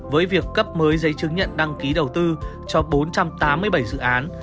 với việc cấp mới giấy chứng nhận đăng ký đầu tư cho bốn trăm tám mươi bảy dự án